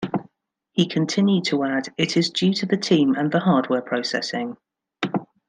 He continued to add It is due to the team and the hardware processing.